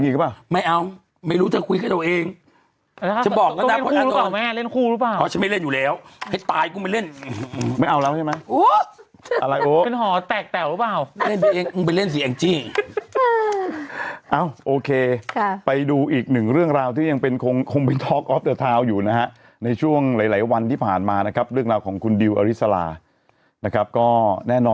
คุณยายชอบหนุ่มรักตอนนี้จะเล่นเป็นชื่อคุณสมศักดิ์